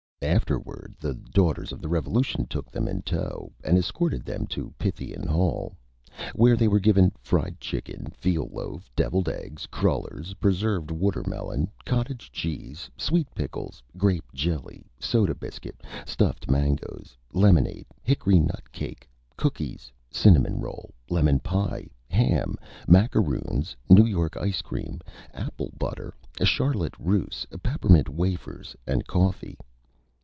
Afterward the Daughters of the Revolution took them in Tow, and escorted them to Pythian Hall, where they were given Fried Chicken, Veal Loaf, Deviled Eggs, Crullers, Preserved Watermelon, Cottage Cheese, Sweet Pickles, Grape Jelly, Soda Biscuit, Stuffed Mangoes, Lemonade, Hickory Nut Cake, Cookies, Cinnamon Roll, Lemon Pie, Ham, Macaroons, New York Ice Cream, Apple Butter, Charlotte Russe, Peppermint Wafers, and Coffee.